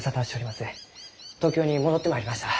東京に戻ってまいりました。